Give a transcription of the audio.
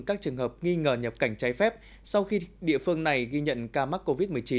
các trường hợp nghi ngờ nhập cảnh trái phép sau khi địa phương này ghi nhận ca mắc covid một mươi chín